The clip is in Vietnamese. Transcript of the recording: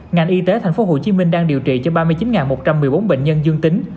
ngành y tế tp hcm đang điều trị cho ba mươi chín một trăm một mươi bốn bệnh nhân dương tính